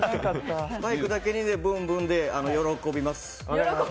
バイクだけにブンブンで喜びます。